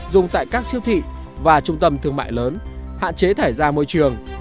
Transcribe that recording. dùng tại các siêu thị và trung tâm thương mại lớn hạn chế thải ra môi trường